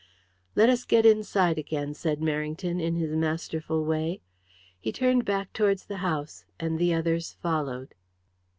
"Let us get inside again," said Merrington, in his masterful way. He turned back towards the house, and the others followed.